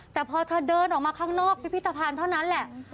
แต่พอเธอเดินออกมาข้างนอกพิพิธภัณฑ์เท่านั้นแหละ